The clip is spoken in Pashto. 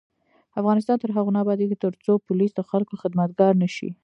افغانستان تر هغو نه ابادیږي، ترڅو پولیس د خلکو خدمتګار نشي.